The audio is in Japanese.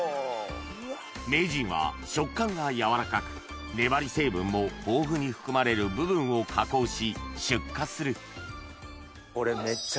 名人は食感が柔らかく粘り成分も豊富に含まれる部分を加工し出荷する俺。